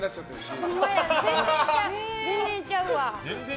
全然ちゃうわ。